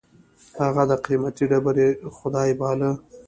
هغه د قېمتي ډبرې خدای باله.